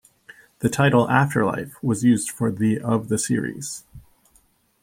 The title "Afterlife" was used for the of the series.